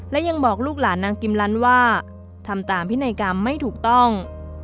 และยังบอกลูกหลานนางกิมลันว่าทำตามพินัยกรรมไม่ถูกต้อง